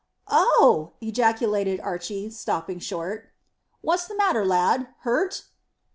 "Oh!" ejaculated Archy, stopping short. "What's the matter, lad? hurt?"